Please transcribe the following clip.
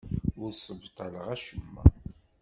Ur ssebṭaleɣ acemma.